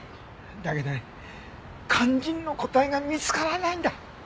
だけどね肝心の答えが見つからないんだ！